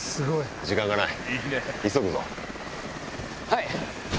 はい！